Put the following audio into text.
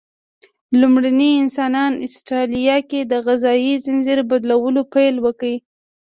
لومړني انسانان استرالیا کې د غذایي ځنځیر بدلولو پیل وکړ.